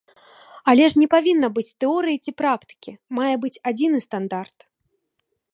Але ж не павінна быць тэорыі ці практыкі, мае быць адзіны стандарт!